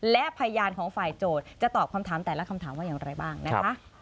และพยานของฝ่ายโจทย์จะตอบคำถามแต่ละคำถามว่าอย่างไรบ้างนะคะ